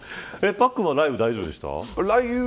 パックンは雷雨、大丈夫でした。